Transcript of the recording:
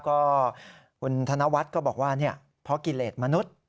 ก็คุณธนวัฒน์ก็บอกว่าเพราะกิเลสมนุษย์